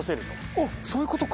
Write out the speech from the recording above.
あっそういう事か！